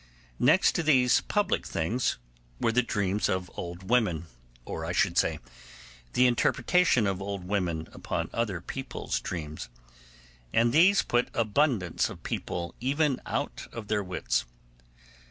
Next to these public things were the dreams of old women, or, I should say, the interpretation of old women upon other people's dreams; and these put abundance of people even out of their wits.